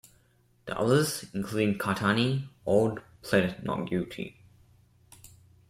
The others, including Kaitani, all pleaded not guilty.